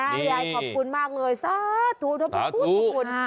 ยายอย่าขอบคุณมากเลยซ้าตุดบุมฟูดทุกคน